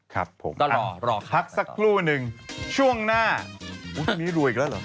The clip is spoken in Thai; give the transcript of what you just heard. ครับผมอ่ะพักสักครู่หนึ่งช่วงหน้าอุ๊ยวันนี้รวยอีกแล้วเหรอ